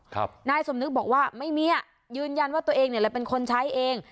นายสมนึกบอกว่าไม่มีอ่ะยืนยันว่าตัวเองเนี่ยแหละเป็นคนใช้เอง